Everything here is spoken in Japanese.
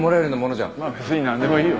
まあ別に何でもいいよ。